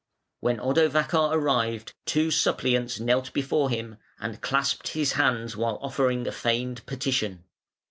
When Odovacar arrived, two suppliants knelt before him and clasped his hands while offering a feigned petition.